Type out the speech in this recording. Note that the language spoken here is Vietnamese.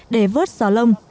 để vớt xò lông